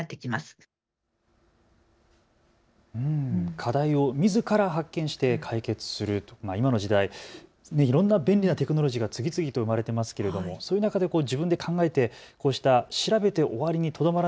課題をみずから発見して解決するという、今の時代いろんな便利なテクノロジーが次々と生まれていますけどその中で自分で考えてこうした調べて終わりにとどまら